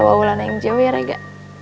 bawa ulan yang jauh ya rega